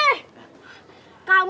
terima kasih pak joko